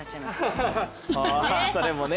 あそれもね。